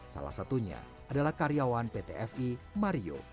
salah satunya adalah karyawan pt fi mario